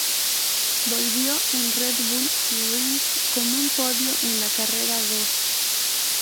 Volvió en Red Bull Ring con un podio en la carrera dos.